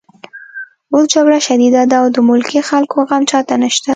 اوس جګړه شدیده ده او د ملکي خلکو غم چاته نشته